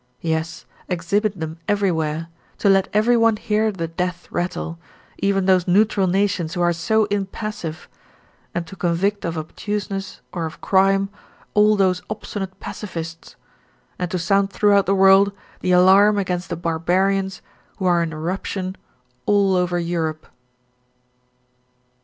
Yes, exhibit them everywhere, to let everyone hear the death rattle, even those neutral nations who are so impassive; to convict of obtuseness or of crime all those obstinate Pacifists, and to sound throughout the world the alarm against the barbarians who are in eruption all over Europe.